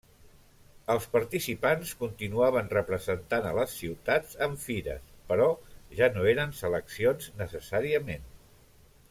Els participants continuaven representant a les ciutats en fires però ja no eren seleccions necessàriament.